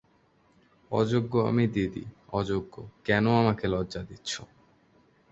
অযোগ্য আমি দিদি, অযোগ্য, কেন আমাকে লজ্জা দিচ্ছ।